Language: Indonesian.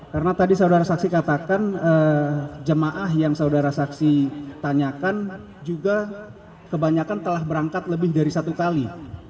karena tadi saudara saksi katakan jemaah yang saudara saksi tanyakan juga kebanyakan telah berangkat lebih dari satu kali